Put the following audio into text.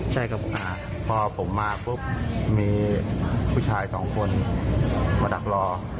เพราะว่าผมมากมีผู้ชายสองคนมาดักรอ